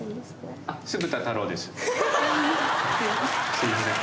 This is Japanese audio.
すいません